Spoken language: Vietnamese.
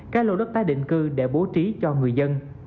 các lô đất tái định cư để bố trí cho người dân